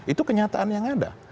itu kenyataan yang ada